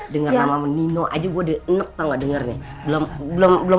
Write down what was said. dengar nama nino aja gue denek tau gak denger nih